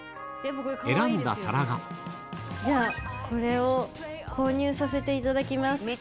これを購入させていただきます。